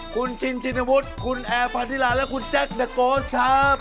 คุณชินชินวุฒิคุณแอร์พันธิราและคุณแจ็คเดอร์โกสครับ